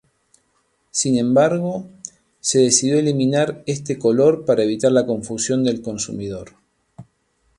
Sin embargo, se decidió eliminar este color para evitar la confusión del consumidor.